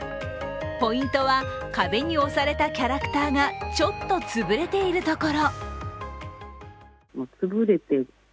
ポイントは壁に押されたキャラクターがちょっと潰れているところ。